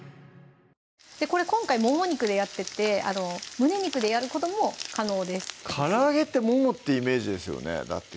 これ今回もも肉でやってて胸肉でやることも可能ですからあげってももっていうイメージですよねだって